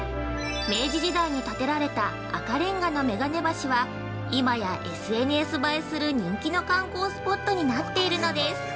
明治時代に建てられた赤れんがのめがね橋は、今やＳＮＳ映えする人気の観光スポットになっているのです。